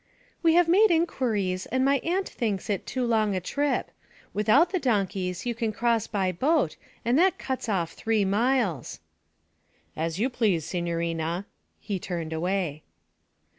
'We have made inquiries and my aunt thinks it too long a trip. Without the donkeys you can cross by boat, and that cuts off three miles.' 'As you please, signorina.' He turned away.